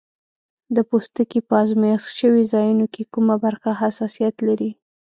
د پوستکي په آزمېښت شوي ځایونو کې کومه برخه حساسیت لري؟